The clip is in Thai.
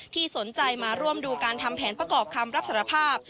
ที่สนใจมาร่วมดูการทำแผนประกอบคำรับสารภาพ